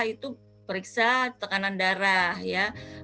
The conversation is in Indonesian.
itu periksa tekanan darah ya